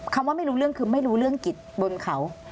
ว่าไม่รู้เรื่องคือไม่รู้เรื่องกิจบนเขา